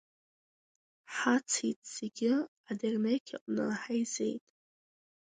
Ҳацеит зегьы, адернеқь аҟны ҳаизеит.